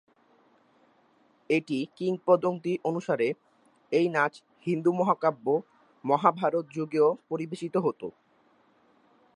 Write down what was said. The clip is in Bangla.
একটি কিংবদন্তি অনুসারে, এই নাচ হিন্দু মহাকাব্য মহাভারত যুগেও পরিবেশিত হত।